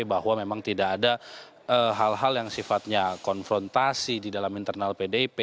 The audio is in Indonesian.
bahwa memang tidak ada hal hal yang sifatnya konfrontasi di dalam internal pdip